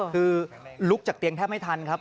คือลุกจากเตียงแทบไม่ทันครับ